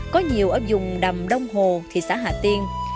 có nhiều ở dùng đầm đông hồ thị xã hà tiên